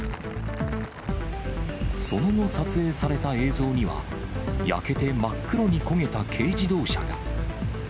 その後、撮影された映像には、焼けて真っ黒に焦げた軽自動車が。